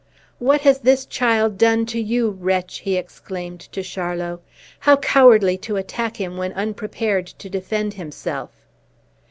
"What has this child done to you, wretch!" he exclaimed to Charlot. "How cowardly to attack him when unprepared to defend himself!"